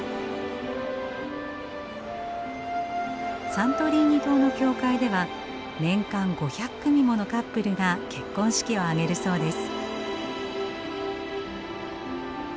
サントリーニ島の教会では年間５００組ものカップルが結婚式を挙げるそうです。